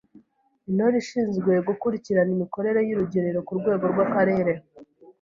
’intore ishinzwe gukurikirana imikorere y’Urugerero ku rwego rw’Akarere,